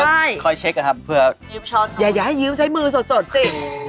ใช่คอยเช็คอะครับเพื่ออย่าให้ยืมใช้มือสดจริง